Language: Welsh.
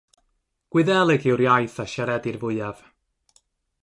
Gwyddeleg yw'r iaith a siaredir fwyaf.